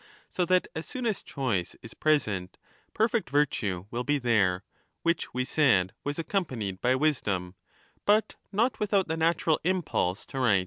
So that as soon as choice is present, perfect virtue will be there, which we said * was accompanied by wisdom, but not without the natural impulse to right.